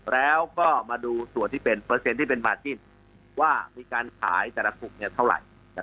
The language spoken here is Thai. แล้วก็มาดูส่วนที่เป็นเปอร์เซ็นต์ที่เป็นมาจิ้นว่ามีการขายแต่ละกลุ่มเท่าไหร่